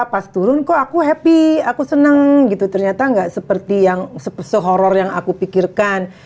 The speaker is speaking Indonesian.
pas turun kok aku happy aku seneng gitu ternyata nggak seperti yang sehorror yang aku pikirkan